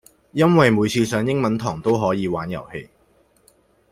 因為每次上英文堂都可以玩遊戲